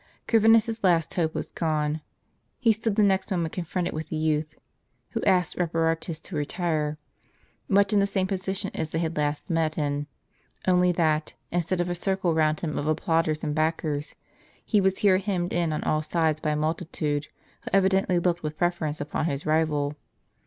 Corvinus's last hope was gone. He stood the next moment confronted with the youth (who asked Reparatus to retire), much in the same position as they had last met in, only that, instead of a circle round him of applauders and backers, he was here hemmed in on all sides by a multitude who evidently looked with preference upon his rival.